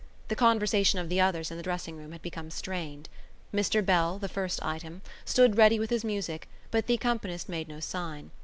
The conversation of the others in the dressing room had become strained. Mr Bell, the first item, stood ready with his music but the accompanist made no sign.